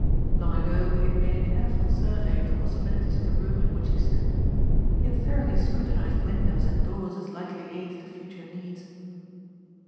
Long ago he had made a careful survey of the possibilities of the room in which he stood. He had thoroughly scrutinized windows and doors as likely aids to future needs.